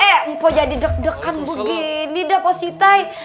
eh empok jadi deg degan begini dah pak siti